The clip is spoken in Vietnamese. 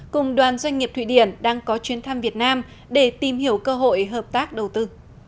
cùng đoàn doanh nghiệp thụy điển đang có chuyến thăm việt nam để tìm hiểu cơ hội hợp tác đầu tư